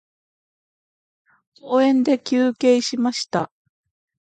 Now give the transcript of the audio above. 公園で休憩しました。